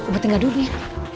bu tinggal dulu ya